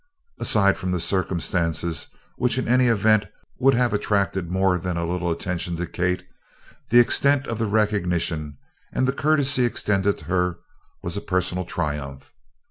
Aside from the circumstances which in any event would have attracted more than a little attention to Kate, the extent of the recognition and the courtesy extended to her was a personal triumph.